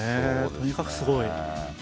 とにかくすごい。